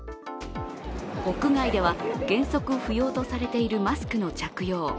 屋外では原則不要とされているマスクの着用。